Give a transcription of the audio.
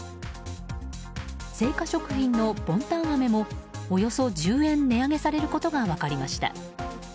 セイカ食品のボンタンアメもおよそ１０円値上げされることが分かりました。